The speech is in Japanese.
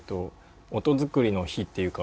音作りの日っていうか。